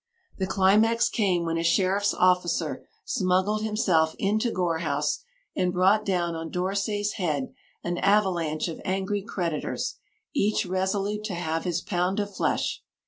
The climax came when a sheriff's officer smuggled himself into Gore House, and brought down on d'Orsay's head an avalanche of angry creditors, each resolute to have his "pound of flesh."